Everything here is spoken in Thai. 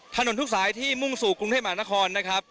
ถนนทุกสายที่มุ่งสู่กรุงเทพมหานครนะครับ